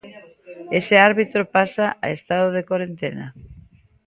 Ese árbitro pasa a estado de corentena.